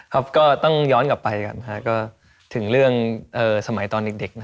ครับก็ต้องย้อนกลับไปกันเถอะก็ถึงเรื่องสมัยตอนเบื้อนเด็ก